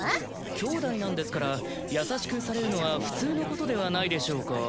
兄弟なんですから優しくされるのは普通のことではないでしょうか？